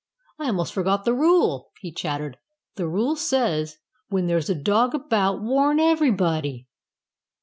"I almost forgot the rule!" he chattered. "The rule says, 'When there's a Dog about, warn everybody!'"